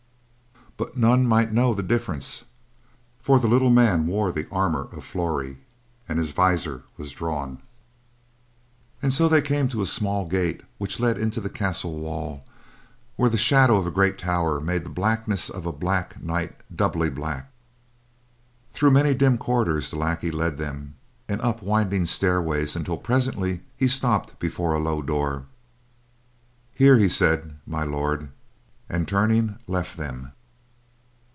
But none might know the difference, for the little man wore the armor of Flory, and his visor was drawn. And so they came to a small gate which let into the castle wall where the shadow of a great tower made the blackness of a black night doubly black. Through many dim corridors, the lackey led them, and up winding stairways until presently he stopped before a low door. "Here," he said, "My Lord," and turning left them.